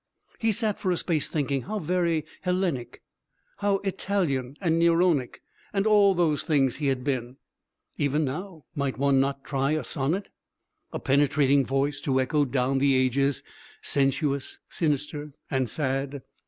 He sat for a space thinking how very Hellenic and Italian and Neronic, and all those things, he had been. Even now might one not try a sonnet? A penetrating voice to echo down the ages, sensuous, sinister, and sad.